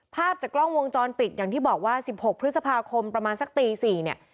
ภาพจากกล้องวงจรปิดอย่างที่บอกว่า๑๖พฤษภาคมประมาณสักตี๔เนี่ย